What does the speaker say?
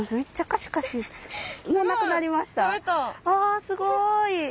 あすごい。